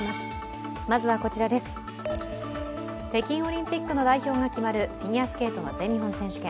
北京オリンピックの代表が決まるフィギュアスケートの全日本選手権。